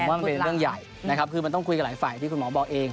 มันเป็นเรื่องใหญ่นะครับคือมันต้องคุยกับหลายฝ่ายที่คุณหมอบอกเอง